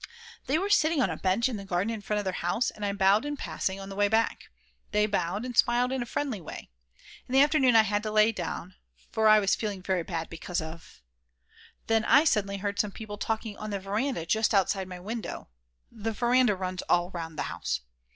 They were sitting on a bench in the garden in front of their house, and I bowed in passing, on the way back. They bowed, and smiled in a friendly way. In the afternoon I had to lie down, for I was feeling very bad because of ....!! Then I suddenly heard some people talking on the veranda just outside my window the veranda runs all round the house.